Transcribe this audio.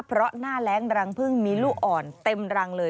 เพราะหน้าแรงรังพึ่งมีลูกอ่อนเต็มรังเลย